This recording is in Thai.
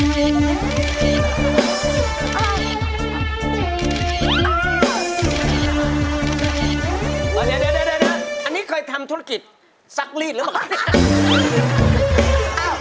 เดี๋ยวอันนี้เคยทำธุรกิจซักรีดหรือเปล่า